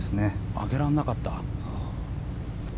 上げられなかった？